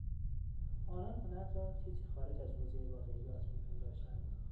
آنان هنر را چیزی خارج از حوزهی واقعیات میپنداشتند.